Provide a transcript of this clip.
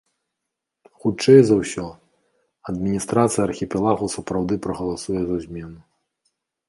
Хутчэй за ўсё, адміністрацыя архіпелагу сапраўды прагаласуе за змену.